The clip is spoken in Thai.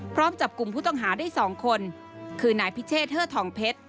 พร้อมจับกลุ่มผู้ต้องหาได้๒คนคือนายพิเชษเทอร์ทองเพชร